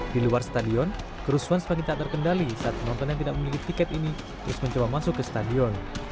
di luar stadion kerusuhan semakin tak terkendali saat penonton yang tidak memiliki tiket ini terus mencoba masuk ke stadion